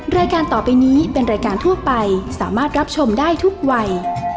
รายการต่อไปนี้เป็นรายการทั่วไปสามารถรับชมได้ทุกวัย